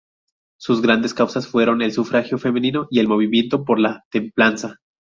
Sus grandes causas fueron el sufragio femenino y el movimiento por la Templanza.